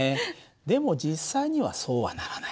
でも実際にはそうはならない。